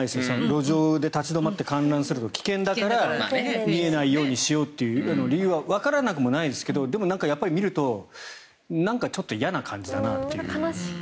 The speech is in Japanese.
路上で立ち止まって観覧すると危険だから見えないようにしようという理由はわからなくもないですけどでも、やっぱり見るとなんか嫌な感じだなと。